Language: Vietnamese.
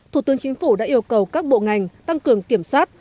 thủ tướng chính phủ đã yêu cầu các bộ ngành tăng cường kiểm soát